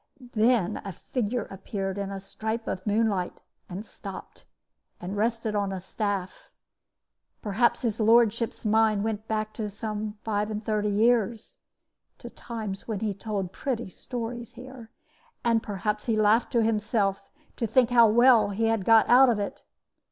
Then a figure appeared in a stripe of moonlight, and stopped, and rested on a staff. Perhaps his lordship's mind went back some five and thirty years, to times when he told pretty stories here; and perhaps he laughed to himself to think how well he had got out of it.